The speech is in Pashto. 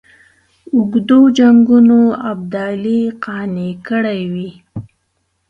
اوږدو جنګونو ابدالي قانع کړی وي.